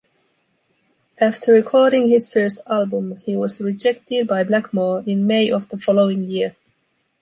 After recording his first album, he was rejected by Blackmore in May of the following year.